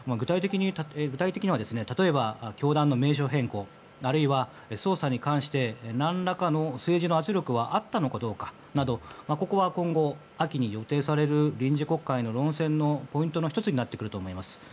具体的には、例えば教団の名称変更あるいは、捜査に関して何らかの政治の圧力はあったのかどうかなどここは今後、秋に予定される臨時国会の論戦のポイントの１つになってくると思います。